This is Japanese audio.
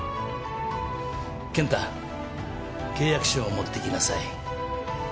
健太契約書を持ってきなさい。